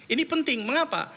ini penting mengapa